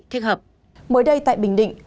thích hợp mới đây tại bình định